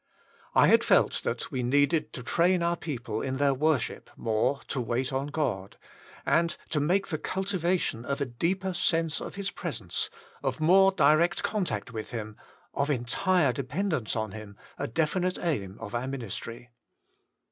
I had felt that we needed to train our people in their worship more to wait on God, and to make the cultivation of a deeper sense of His presence, of more direct contact with Him, of entire depend ence on Him, a definite aim of our ministry.